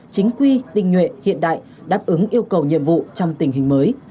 chính quy tinh nhuệ hiện đại đáp ứng yêu cầu nhiệm vụ trong tình hình mới